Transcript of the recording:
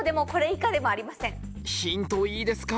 ヒントいいですか？